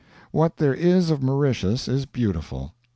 What there is of Mauritius is beautiful.